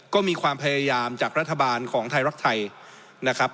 ก็มีความพยายามจากรัฐบาลของไทยรักไทยนะครับ